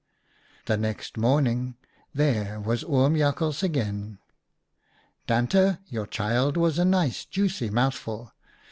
" The next morning there was Oom Jak hals again. ' Tante, your child was a nice, juicy mouthful.